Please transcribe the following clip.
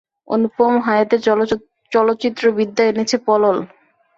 অনুপম হায়াতের চলচ্চিত্রবিদ্যা এনেছে পলল।